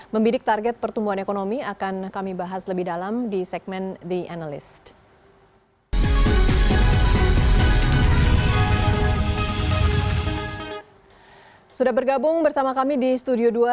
membidik target pertumbuhan ekonomi akan kami bahas lebih dalam di segmen the analyst